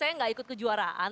saya gak ikut kejuaraan